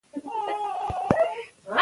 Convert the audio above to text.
علم ډېوه روښانه ساتي.